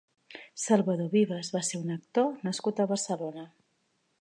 Salvador Vives va ser un actor nascut a Barcelona.